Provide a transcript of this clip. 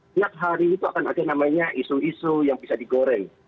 tiap hari itu akan ada namanya isu isu yang bisa digoreng